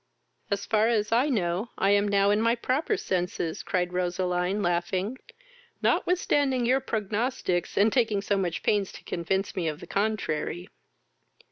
"As far as I know I am now in my proper senses, (cried Roseline, laughing,) notwithstanding your prognostics, and taking so much pains to convince me of the contrary."